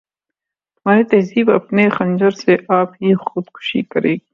تمہاری تہذیب اپنے خنجر سے آپ ہی خودکشی کرے گی